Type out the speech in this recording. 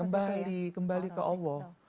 kembali kembali ke allah